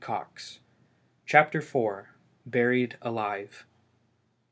o: CHAPTER IV. BURIED ALIVE.